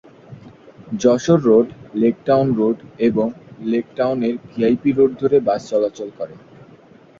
Jessore road, Lake Town road এবং লেক টাউনের ভিআইপি রোড ধরে বাস চলাচল করে।